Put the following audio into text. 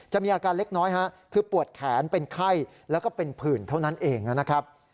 มีอาการเล็กน้อยคือปวดแขนเป็นไข้แล้วก็เป็นผื่นเท่านั้นเองนะครับ